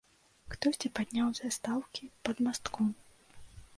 Хтосьці падняў застаўкі пад мастком.